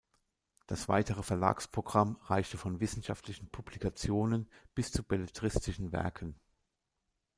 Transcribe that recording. Das weitere Verlagsprogramm reichte von wissenschaftlichen Publikationen bis zu belletristischen Werken.